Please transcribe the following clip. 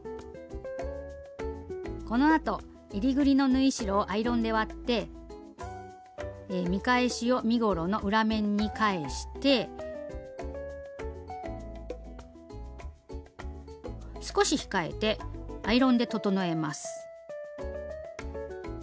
このあとえりぐりの縫い代をアイロンで割って見返しを身ごろの裏面に返して少し控えてアイロンで整えます。